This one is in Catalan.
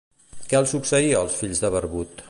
Què els succeïa als fills de Barbut?